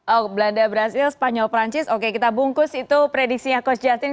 oh belanda brazil spanyol perancis oke kita bungkus itu prediksinya coach justin